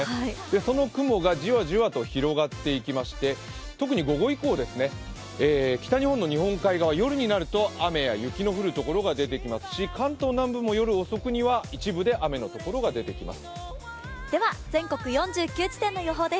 その雲がじわじわと広がっていきまして特に午後以降、北日本の日本海側、夜になると雨や雪のところが出てきますし関東南部も夜遅くには一部で雨のところが出てきます。